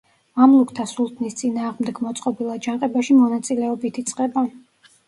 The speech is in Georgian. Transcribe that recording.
მამლუქთა სულთნის წინააღმდეგ მოწყობილ აჯანყებაში მონაწილეობით იწყება.